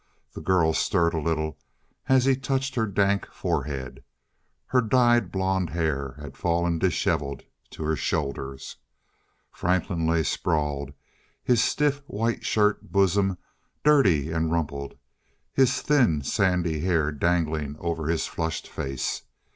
The girl stirred a little as he touched her dank forehead. Her dyed blonde hair had fallen disheveled to her shoulders. Franklin lay sprawled, his stiff white shirt bosom dirty and rumpled, his thin sandy hair dangling over his flushed face.